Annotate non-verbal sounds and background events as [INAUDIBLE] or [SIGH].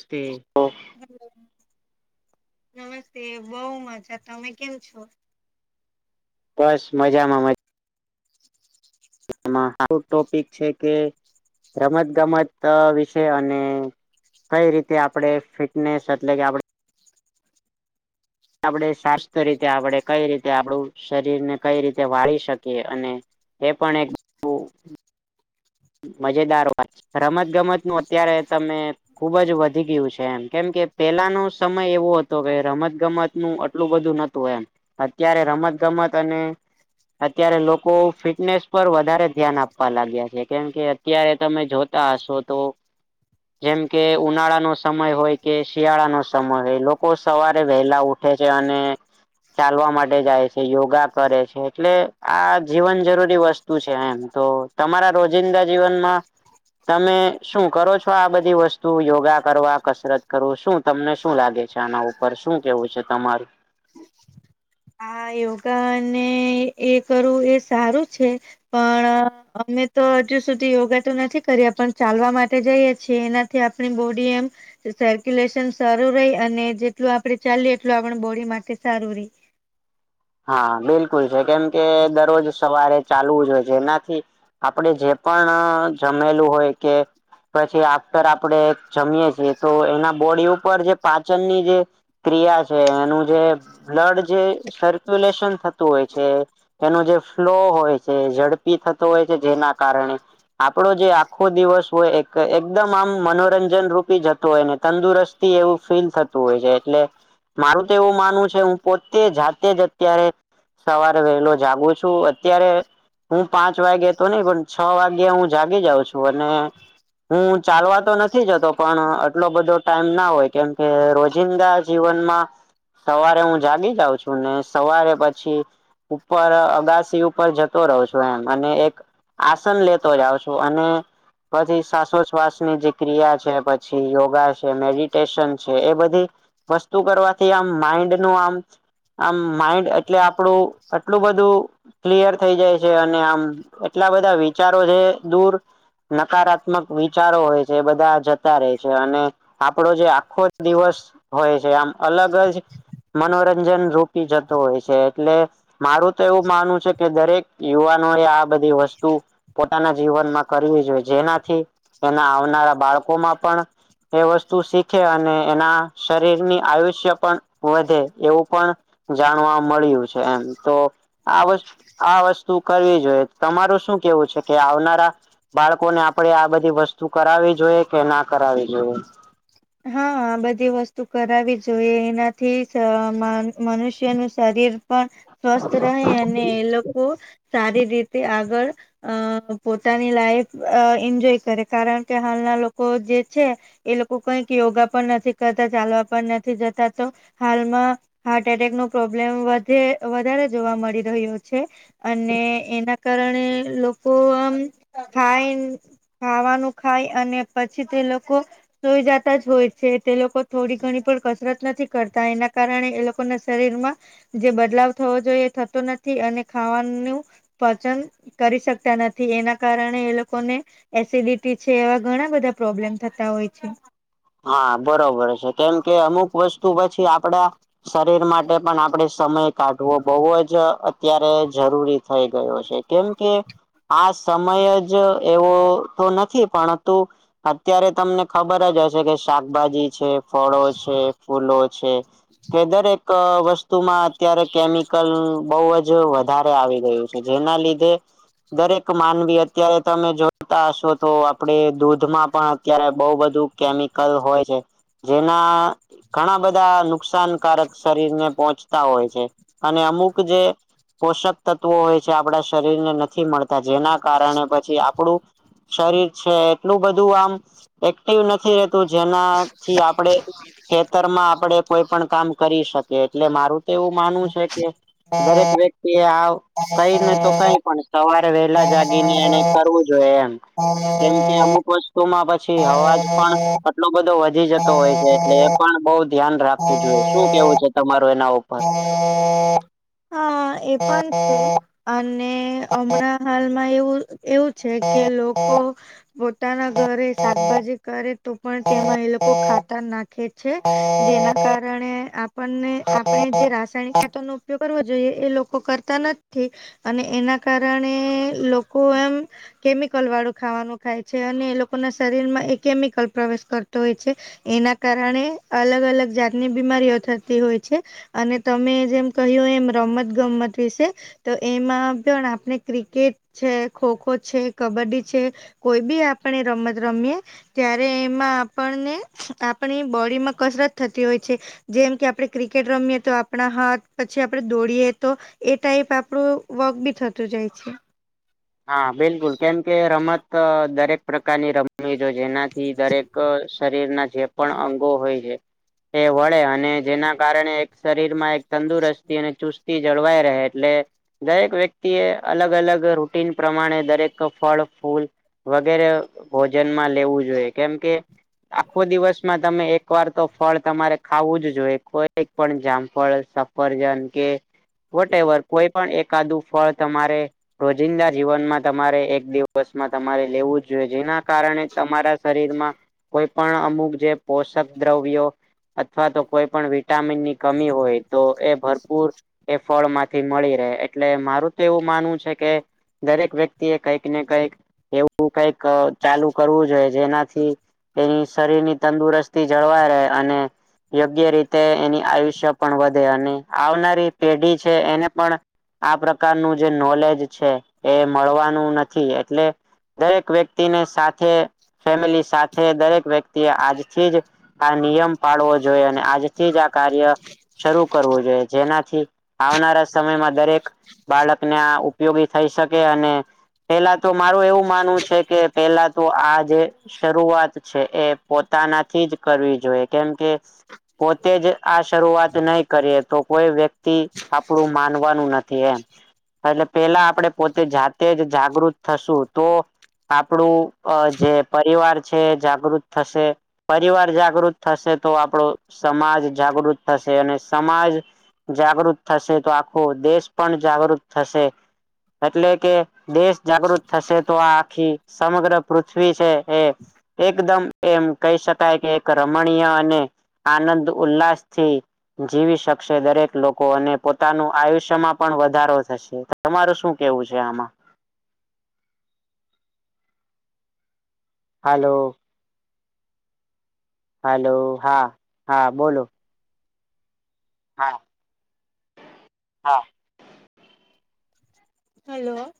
Stay. Hello નમસ્તે બોવ મજા. તમે કેમ છો? બસ મજામાં મજા. એમાં આઉટ ટોપિક છે કે રમત ગમત વિશે અને કઈ રીતે આપણે ફિટનેસ એટલે કે આપ આપણે સાસ્થ રીતે આપણે કઈ રીતે આપડું શરીરને કઈ રીતે વાળી શકીએ અને એ પણ એક બોવ મજેદાર વાત છે રમત ગમત નું અત્યારે તમે ખુબ જ વધી ગયું છે એમ કેમ કે પેલાનો સમય એવો હતો કે રમત ગમત નું આટલું બધું નતું એમ અત્યારે રમત ગમત અને અત્યારે લોકો ફિટનેસ પર વધારે ધ્યાન આપવા લાગ્યા છે. કેમ કે અત્યારે તમે જોતા હશો તો જેમ કે ઉનાળાનો સમય હોય કે શિયાળાનો સમય હોય લોકો સવારે વહેલા ઉઠ ઉઠે છે અને ચાલવા માટે જાય છે યોગા કરે છે એટલે આ જીવન જરૂરી વસ્તુ વસ્તુ છે એમ તો તમારા રોજિંદા જીવનમાં તમે શું કરો છો આ બધી વસ્તુ યોગા કરવા કસરત કરું શું તમને શું લાગે છે આના ઉપર શું કેવું છે તમારું આ યોગા ને એ કરવું એ સારું છે પણ અમે તો હજુ સુધી યોગા તો નથી કરીએ પણ ચાલવા માટે જઈએ છીએ એનાથી આપણી બોડી એમ સર્ક્યુલેશન સારું રહી અને જેટલું આપડે ચાલીએ એટલ આપ બોડી માટે સારું રહી હા બિલકુલ છે કેમ કે દરરોજ સવારે ચાલવું જ હોય છે એનાથી આપડે જે પણ જમેલું હોય કે પછી આફ્ટર આપણેે જમીએ છીએ તો એના બોડી ઉપર જે પાચનની જે ક્રિયા છે એનું જે બ્લડ જે સર્ક્યુલેશન થતું હોય છે. એનો જે ફ્લો હોય છે ઝડપી થતો હોય છે જેના કારણે આપડો જે આખો દિવસ હોય એકદમ આમ મનોરંજન રૂપી જતો હોય ને તંદુરસ્ત એવું ફીલ થતું હોય છે એટલે મારું તો એવું માનવું છે હું પોતે જાતે જ અત્યારે સવારે વહેલો જાગું છું અત્યારે હું પાંચ વાગે તો નઈ પણ છ વાગે હું જાગી જાઉં છું અને હું ચાલવા તો નથી જતો પણ આટલો બધો ટાઈમના હોય કેમકે રોજિંદા જીવનમાં સવારે હું જાગી જાઉં છું ને સવારે પછી ઉપર અગાસી ઉપર જતો રહો છો એમ અને એક આસન લેતો જાાવ છો અને પછી શ્વાસોછ્વાસની જે ક્રિયા છે પછી યોગા છે મેડિટેશન છે એ બધી. વસ્તુ કરવાથી આમ માઈન્ડ નું આમ આમ માઇન્ડ એટલે આપણું આટલું બધું ક્લિયર થઈ જાય છે અને આમ એટલા બધા વિચારો જે દૂર નકારાત્મક વિચારો હોય છે એ બધા જતા રહે છે અને આપણો જે આખો દિવસ હોય છે આમ અલગ જ, મનોરંજન રૂપ જતો હોય છે એટલે મારું તો એવું માનવ છે કે દરેક યુવાનો એ આ બધી વસ્તુ પોતાના જીવનમાં કરવી જોઈએ જેનાથી, એના આવનારા બાળકોમાં પણ એ વસ્તુ શીખે અને એના શરીરની આયુષ્ય પણ વધે એવું પણ જાણવા મળ્યું છે એમ તો આ વુ આ વસ્તુ કરવી જોઈએ તમારું શું કેવું છે કે આવનારા બાળકોને આપડે આ બધી વસ્તુ કરાવવી જોઈએ કે ના કરાવવી જોઈએ? હા આ બધી વસ્તુ કરાવવી જોઈએ એનાથી મનુષ્યનું શરીર પણ સ્વસ્થ રહે અને એ લોકો, સારી રીતે આગળ અ પોતાની લાઈફ અ એન્જોય કરે કારણ કે હાલના લોકો જે છે. એ લોકો કઈક યોગા પણ નથી કરતા ચાલવા પણ નથી જતા તો હાલમાં હાર્ટ એટેક નો પ્રોબ્લેમ વધ વધારે જોવા મળી રહ્યો છે. અને એના કારણે લોકો આમ થાય. ખાવાનું ખાય અને પછી તે લોકો જોઈ જતા જ હોય છે તે લોકો થોડી ઘણી પણ કસરત નથી કરતા એના કારણે એ લોકોના શરીરમાં. જે બદલાવ થવો જોઈએ એ થતો નથી અને ખાવાનું, પચન કરી શકતા નથી એના કારણે એ લોકોને એસિડિટી છે એવા ઘણા બધા પ્રોબ્લેમ થતા હોય છે. હા બરોબર છે કેમ કે અમુક વસ્તુ પછી આપડા શરીર માટે પણ આપડે સમય કાઢવો બહુ જ અત્યારે જરૂરી થઈ ગયો છે. કેમ કે, આ સમય જ એવો તો નથી પણંતુ અત્યારે તમને ખબર જ હશે. કે શાકભાજી છે ફળો છે ફૂલો છે. કે દરેક વસ્તુમાં અત્યારે કેમિકલ બહુ જ જે વધારે આવી ગયું છે જેના લીધે. દરેક માનવી અત્યારે તમે જોતા હશો તો આપણે દૂધમાં પણ અત્યારે બઉ બધું કેમિકલ હોય છે, જેના ઘણા બધા નુકસાનકારક શરીર ને પોહોંચતા હોય છે, અને અમુક જે પોષક તત્વો હોય છે આપણા શરીરને નથી મળતા જેના કારણે પછી આપણું શરીર છે એટલું બધું આમ એક્ટિવ નથી તો જેના થી આપણેે ખેતરમાં આપણે કોઈ પણ કામ કરી શકીએ એટલે મારું તો એવું માનવું છે કે દરેક વ્યક્તિ આવ કઈ નને તો કઈ પણ સવારે વેલા જાગીને એને કરવું જોઈએ એમ. કેમ કે અમુક વસ્તુમાં પછી અવાજ પણ [UNINTELLIGIBLE] આટલો બધો વધી જતો હોય છે એટલે એ પણ બહ ધ્યાન રાખવું જોઈએ શું કેવું છે તમારું એના ઉપર? હા એ પણ છે અને હમણાં હાલમાં એવું એવું છે કે લોકો. પોતાના ઘરે શાકભાજી કરે તો પણ તેમાં એ લોકો ખાતર નાખે. છે, જેના કારણે આપણને આપણે જે રાસાયણિક ખાતરનું [UNINTELLIGIBLE] કરવુ જોઈએ એ લોકો કરતા નથી અને એના કારણે લોકો એમ કેમિકલ વાળું ખાવાનું ખાય છે અને એ લોકો ના શરીરમાં એ કેમિકલ પ્રવેશ કરતો હોય છે. એના કારણે અલગ અલગ જાતની બીમારીઓ થતી હોય છે. અને તમે જેમ કહ્યું એમ રમત ગમત વિશે તો એમાં પણ આપ આપને ક્રિકેટ છે, ખોખો છે કબડ્ડી છે કોઈ બી આપણે રમત રમીએ. ત્યારે એમાં આપણને આપણી બોડીમાં કસરત થતી હોય છે. જેમ કે આપણે ક્રિકેટ રમીએ તો આપણા હાથ પછી આપણે દોડીએ તો એ ટાઈપ આપડું વર્ક બી થતું જાય છે. હા બિલકુલ કેમ કે રમત દરેક પ્રકારની રમવી જોઈએ એનાથ થી દરેક શરીરના જે પણ અંગો હોય છે એ વળે અને જેના કારણે એક શરીર માં એક તંદુરસ્તી અને ચુસ્ત તી જળવાઈ રહે એટલે દરેક વ્યક્તિ એ અલગ અલગ [UNINTELLIGIBLE] પ્રમાણે દરેકનું ફળ ફૂલ વગેરે ભોજનમાં લેવું જોઈએ કેમ કે આખો દિવસમાં તમે એક વાર તો ફળ તમારે ખાવું જ જોઈએ કોઈ એક પણ જામફળ સફરજન કે વોટેવર કોઈ પણ એકાદુ ફળ તમારે જિંદા જીવનમાં તમારે એક દિવસમાં તમારે લેવું જ જોઈએ જેના કારણે તમારા શરીરમાં કોઈ પણ અમુક જે પોષક દ્રવ્યો અથવા તો કોઈ પણ વિટામિનની કમી હોય તો એ ભરપૂર એ ફળમાંથી મળી રહે એટલે મારું તો એવું માનવું છે કે દરેક વ્યક્તિ એ કઈક ને કઈક એવું કઈક ચાલુ કરવું જોઈએ જેનાથી અ શરીર ની તંદુરસ્તી જળવાઇ રહે અને યોગ્ય રીતે એની આયુષ્ય પણ વધે અને આવનારી પેઢી છે એને પણ આ પ્રકારનું જે નોલેજ છે એ મળવાનું નથી એટલે દરેક વ્યક્તિને સાથે ફેમિલી સાથે દરેક વ્યક્તિ આજથી જ આ નિયમ પાળવો જોઈએ અને આજથી જ આ કાર્ય શરૂ કરવું જોઈએ જેનાથી આવનારા સમયમાં દરેક બાળકને આ ઉપયોગી થઈ શકે અને પેલા તો મારું એવું માનવું છે કે પેલા તો આ જે શરૂઆત છે એ પોતાનાથી જ કરવી જોઈએ કેમ કે પોતે જ આ શરૂઆત નહી કરીએ તો કોઈ વ્યક્તિ આપડું માનવાનું નથી એમ એટલે પેલા [UNINTELLIGIBLE] આપણે પોતે જાતે જ જાગૃત થશું તો આપણું અ જે પરિવાર છે એ જાગૃત થશે. પરિવાર જાગૃત થશે તો આપણો સમાજ જાગૃત થશે અને સમાજ જાગૃત થશે તો આખો દેશ પણ જાગૃત થશે. એટલે કે દેશ જાગૃત થશે તો આ આખી સમગ્ર પૃથ્વી છે એ. એકદમ એમ કહી શકાય કે એક રમણીય અને આનંદ ઉલ્લાસથી જીવી શકશે દરેક લોકો અને પોતાનું આયુષ્યમાં પણ વધારો થશે તમારું શું કેહવું છે આમાં? હાલો. હલો હા, હા, બોલો- - હા, હા. હલો- -